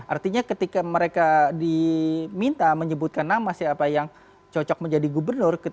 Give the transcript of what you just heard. artinya ketika mereka diminta menyebutkan nama siapa yang cocok menjadi gubernur